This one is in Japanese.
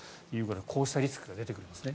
こうしたリスクが出てくるんですね。